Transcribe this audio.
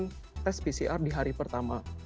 saya diwajibkan tes pcr di hari pertama